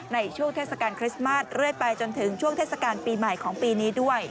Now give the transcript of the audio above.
ในช่วงเทศกาลคริสต์มาสเรื่อยไปจนถึงช่วงเทศกาลปีใหม่ของปีนี้ด้วย